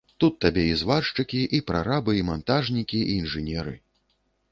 Тут табе і зваршчыкі, і прарабы, і мантажнікі, і інжынеры.